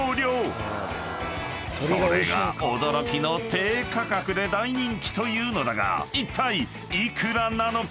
［それが驚きの低価格で大人気というのだがいったい幾らなのか？］